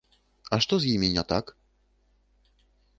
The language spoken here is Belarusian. А што з імі не так?